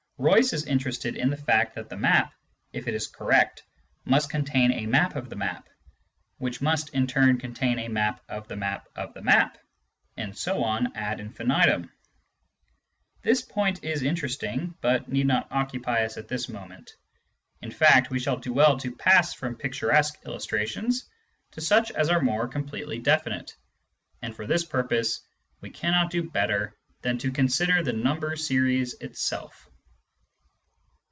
Royce is interested in the fact that the map, if it is correct, must contain a map of the map, which must in turn contain a map of the map of the map, and so on ad. infinitum. This point is interesting, but need not occupy us at this moment. In fact, we shall do well to pass from picturesque illustrations to such as are more completely definite, and for this purpose we cannot do better than consider the number series itself.